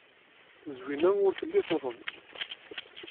Zwina ur telli tuḍen.